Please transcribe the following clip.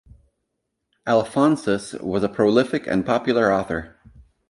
Alphonsus was a prolific and popular author.